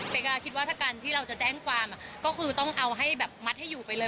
ก็คิดว่าถ้าการที่เราจะแจ้งความก็คือต้องเอาให้แบบมัดให้อยู่ไปเลย